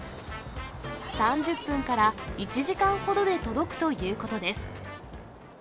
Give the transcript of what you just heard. ３０分から１時間ほどで届くということです。